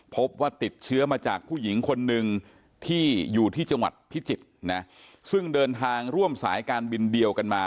พบว่าติดเชื้อมาจากผู้หญิงคนหนึ่งที่อยู่ที่จังหวัดพิจิตรนะซึ่งเดินทางร่วมสายการบินเดียวกันมา